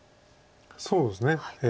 そうですね。